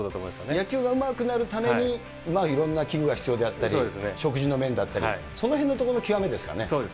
野球がうまくなるためにいろんな器具が必要であったり、食事の面だったり、そうですよね。